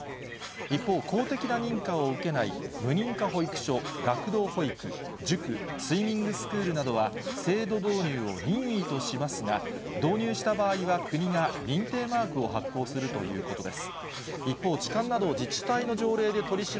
一方、公的な認可を受けない無認可保育所、学童保育、塾、スイミングスクールなどは、制度導入を任意としますが、導入した場合は、国が認定マークを発行するということです。